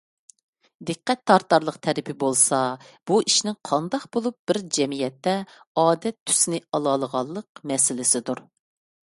دىققەت تارتارلىق تەرىپى بولسا، بۇ ئىشنىڭ قانداق بولۇپ بىر جەمئىيەتتە ئادەت تۈسىنى ئالالىغانلىق مەسىلىسىدۇر.